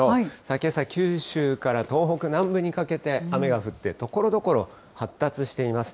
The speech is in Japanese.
けさ、九州から東北南部にかけて雨が降って、ところどころ発達しています。